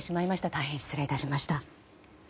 大変、失礼致しました。